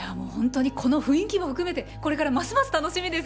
この雰囲気も含めてこれからますます楽しみです。